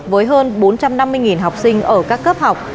với hơn bốn trăm năm mươi học sinh ở các cấp học